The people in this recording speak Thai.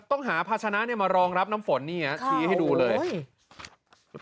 ต้องหาภาชนะเนี่ยมารองรับน้ำฝนนี่ฮะชี้ให้ดูเลย